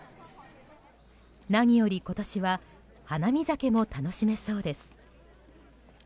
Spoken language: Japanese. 何より今年は花見酒も楽しめそうです。